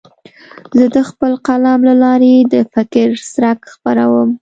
زه د خپل قلم له لارې د فکر څرک خپروم.